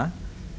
dengan visi tentu